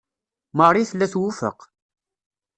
Marie tella twufeq.